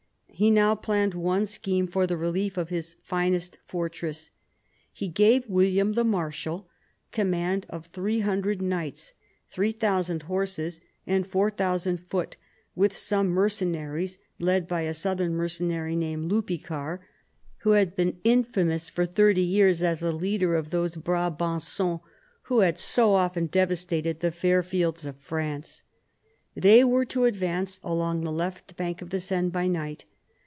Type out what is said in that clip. He now planned one scheme for the relief of his finest fortress. He gave William the Marshal command of three hundred knights, three thousand horse, and four thousand foot, with some mercenaries led by a southern mercenary named Lupicar, who had been infamous for 74 PHILIP AUGUSTUS chap. thirty years as a leader of those Brabancons who had so often devastated the fair fields of France. They were to advance along the left bank of the Seine by night.